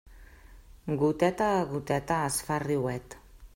Goteta a goteta es fa riuet.